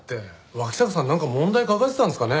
脇坂さんなんか問題抱えてたんですかね？